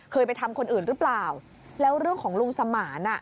เคยไปทำคนอื่นหรือเปล่า